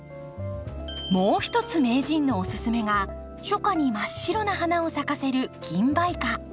もう一つ名人のおすすめが初夏に真っ白な花を咲かせるギンバイカ。